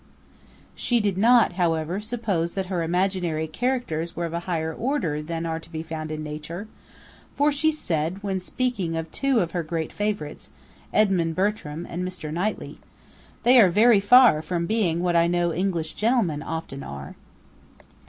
She did not, however, suppose that her imaginary characters were of a higher order than are to be found in nature; for she said, when speaking of two of her great favourites, Edmund Bertram and Mr. Knightley: 'They are very far from being what I know English gentlemen often are.'